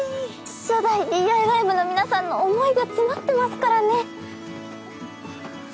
初代ＤＩＹ部の皆さんの想いが詰まってますからね。